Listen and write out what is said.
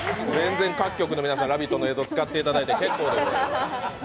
全然各局の皆さん、「ラヴィット！」の映像を使っていただいて結構です。